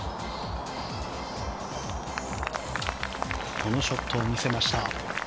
このショットを見せました。